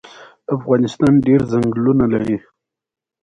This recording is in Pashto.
ازادي راډیو د د ځنګلونو پرېکول په اړه د عبرت کیسې خبر کړي.